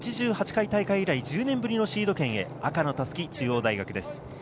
８８回大会以来１０年ぶりのシード権へ、赤の襷・中央大学です。